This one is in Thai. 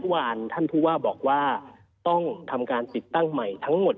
ท่านผู้ว่าบอกว่าต้องทำการติดตั้งใหม่ทั้งหมด